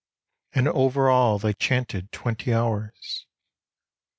And over all they chanted twenty hours.